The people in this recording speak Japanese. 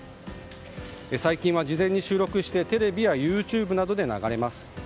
最近は事前に収録してテレビやＹｏｕＴｕｂｅなどで流れます。